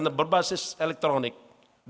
yang kerj mtv approach